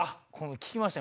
聞きました？